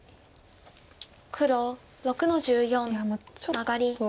黒６の十四マガリ。